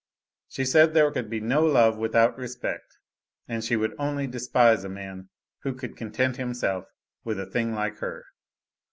She said there could be no love without respect, and she would only despise a man who could content himself with a thing like her.